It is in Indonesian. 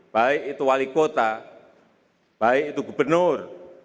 baik itu wali kota baik itu gubernur